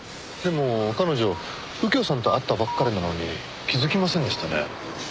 でも彼女右京さんと会ったばかりなのに気づきませんでしたね。